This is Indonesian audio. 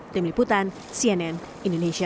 tim liputan cnn indonesia